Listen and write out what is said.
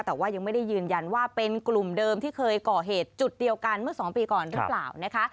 แต่ว่ายังไม่ได้ยืนยันว่าเป็นกลุ่มเดิมที่เคยก่อเหตุจุดเดียวกันเมื่อ๒ปีก่อนหรือเปล่านะคะ